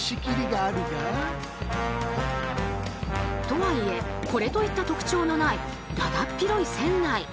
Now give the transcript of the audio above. とはいえこれといった特徴のないだだっ広い船内。